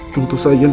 tentu saja lawangsi